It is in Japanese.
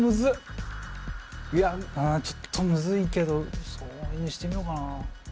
いやちょっとむずいけどそれにしてみようかな。